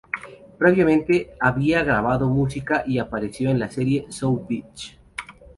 Previamente, había grabado música y apareció en la serie "South Beach".